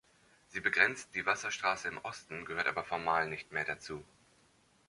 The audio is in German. Sie begrenzt die Wasserstraße im Osten, gehört aber formal nicht mehr dazu.